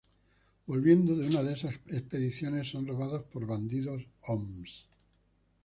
Volviendo de una de esas expediciones, son robados por bandidos Oms.